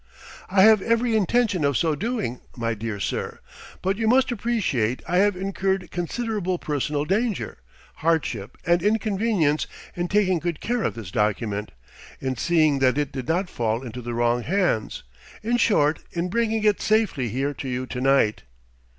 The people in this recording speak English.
"I have every intention of so doing, my dear sir.... But you must appreciate I have incurred considerable personal danger, hardship, and inconvenience in taking good care of this document, in seeing that it did not fall into the wrong hands; in short, in bringing it safely here to you to night."